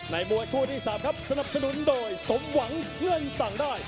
มวยคู่ที่๓ครับสนับสนุนโดยสมหวังเพื่อนสั่งได้